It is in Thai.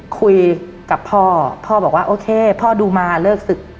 คุยกับพ่อพ่อบอกว่าโอเคพ่อดูมาเลิกศึก